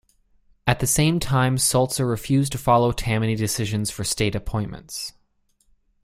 At the same time Sulzer refused to follow Tammany decisions for state appointments.